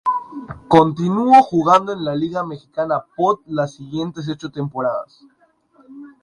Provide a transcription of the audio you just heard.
Continúo jugando en la Liga Mexicana pot las siguientes ocho temporadas.